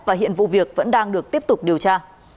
và hiện vụ việc vẫn đang được tiếp tục điều tra